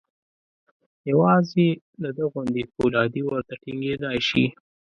یوازې د ده غوندې فولادي ورته ټینګېدای شي.